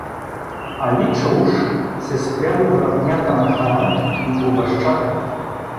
Али чауш се спря до вратнята на хана и го възчака.